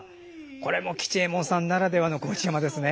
これも吉右衛門さんならではの河内山ですね。